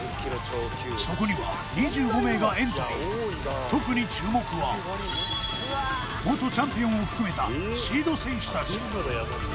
そこには２５名がエントリー特に注目は元チャンピオンを含めたシード選手たち